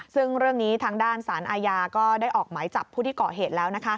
ซึ่งเรื่องนี้ทางด้านสารอาญาก็ได้ออกหมายจับผู้ที่เกาะเหตุแล้ว